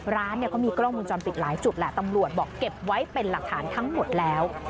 ร้านเนี่ยก็มีกล้องวงจรปิดหลายจุดแหละตำรวจบอกเก็บไว้เป็นหลักฐานทั้งหมดแล้ว